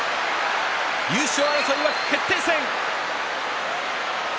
優勝争いは決定戦。